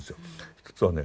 一つはね